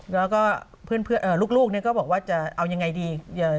แล้วก็ลูกก็บอกว่าจะเอายังไงดี